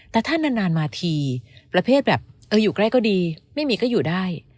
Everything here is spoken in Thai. แต่ถ้านานมาทีประเภทแบบอยู่ใกล้ก็ดีไม่มีก็อยู่ได้